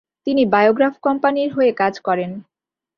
তিনি বায়োগ্রাফ কোম্পানির হয়ে কাজ করেন।